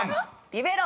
「リベロ」